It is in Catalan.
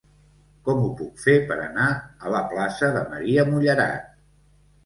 Com ho puc fer per anar a la plaça de Maria Mullerat?